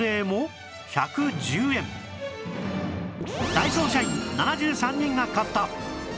ダイソー社員７３人が買った